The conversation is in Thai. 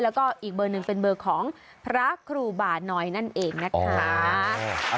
แล้วก็อีกเบอร์หนึ่งเป็นเบอร์ของพระครูบาน้อยนั่นเองนะคะ